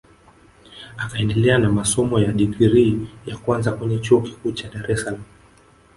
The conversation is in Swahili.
Akaendelea na masomo ya digrii ya kwanza kwenye Chuo Kikuu cha Dar es Salaam